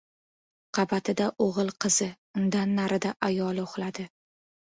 Qabatida o‘g‘il-qizi, undan narida ayoli uxladi.